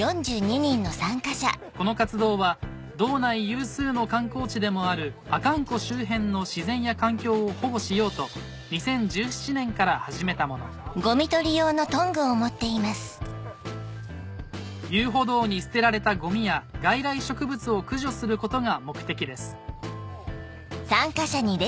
この活動は道内有数の観光地でもある阿寒湖周辺の自然や環境を保護しようと２０１７年から始めたもの遊歩道に捨てられたゴミや外来植物を駆除することが目的です